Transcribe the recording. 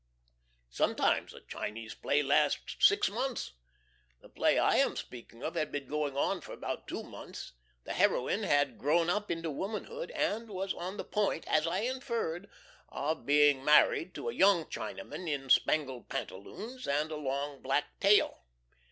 Sometimes a Chinese play lasts six months. The play I am speaking of had been going on for about two months. The heroine had grown up into womanhood, and was on the point, as I inferred, of being married to a young Chinaman in spangled pantaloons and a long black tail.